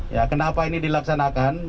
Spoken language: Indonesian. ya kenapa ini dilaksanakan